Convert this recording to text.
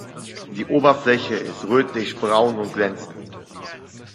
Die Oberfläche ist rötlichbraun und glänzend.